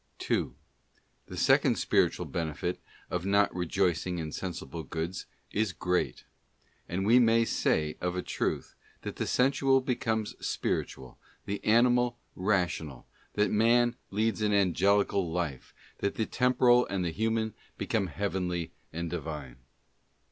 2. The second spirituai benefit of not rejoicing in Sensible Goods is great; and we may say, of a truth, that the sensual becomes spiritual, the animal rational, that man leads an angelical life, that the temporal and the human become heavenly and Divine.